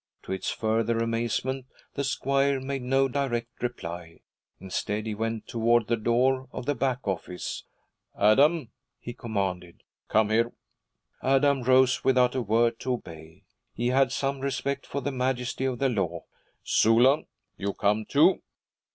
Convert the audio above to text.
To its further amazement, the squire made no direct reply. Instead he went toward the door of the back office. 'Adam,' he commanded, 'come here.' Adam rose without a word, to obey. He had some respect for the majesty of the law. 'Sula, you come, too.'